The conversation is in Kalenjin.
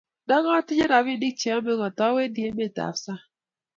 Ndo katinye rabinik che yome ko katawendi emet ab sang